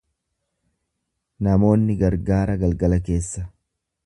Namoonni gargaara galgala keessa.